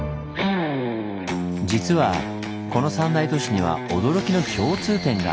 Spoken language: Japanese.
実はこの三大都市には驚きの共通点が！